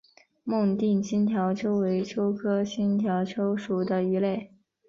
孟定新条鳅为鳅科新条鳅属的鱼类。